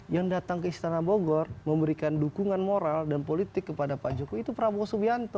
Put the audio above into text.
yang datang ke istana bogor memberikan dukungan moral dan politik kepada pak jokowi itu prabowo subianto